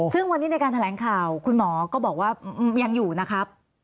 ซึ่งวันนี้ในการแถลงข่าวคุณหมอก็บอกว่ายังอยู่นะครับ